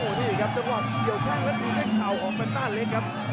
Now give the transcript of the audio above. โอ้โหที่สิครับจังหวะเกี่ยวแข้งแล้วตีด้วยเข่าออกไปต้านเลยครับ